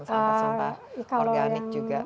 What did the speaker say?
sampah sampah organik juga